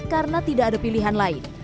karena tidak ada pilihan lain